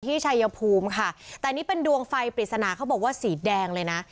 ชายภูมิค่ะแต่นี่เป็นดวงไฟปริศนาเขาบอกว่าสีแดงเลยนะ